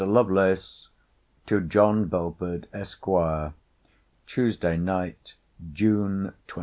LOVELACE, TO JOHN BELFORD, ESQ. TUESDAY NIGHT, JUNE 20.